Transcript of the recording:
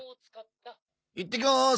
いってきまーす！